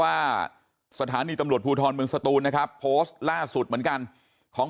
ว่าสถานีตำรวจภูทรเมืองสตูนนะครับโพสต์ล่าสุดเหมือนกันของ